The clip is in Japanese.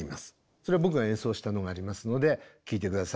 それは僕が演奏したのがありますので聴いて下さい。